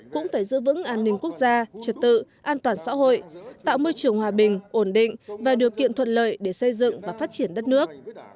cũng phải giữ vững an ninh quốc gia trật tự an toàn xã hội tạo môi trường hòa bình ổn định và điều kiện thuận lợi để xây dựng và phát triển đất nước